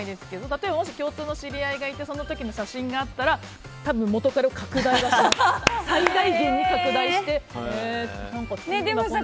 例えばもし共通の知り合いがいてその時の写真があったら多分、元彼を最大限に拡大します。